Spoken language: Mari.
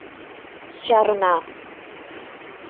Чарна.